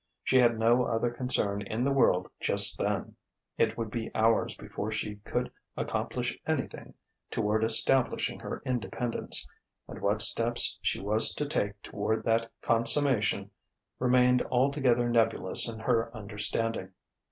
She had no other concern in the world just then. It would be hours before she could accomplish anything toward establishing her independence; and what steps she was to take toward that consummation remained altogether nebulous in her understanding.